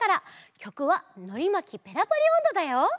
きょくは「のりまきペラパリおんど」だよ。